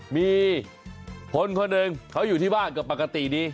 มีคนคนหนึ่งเขาอยู่ที่บ้านก็ปกติดี